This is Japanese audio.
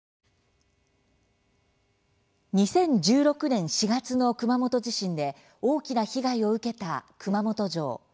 ２０１６年４月の熊本地震で大きな被害を受けた熊本城。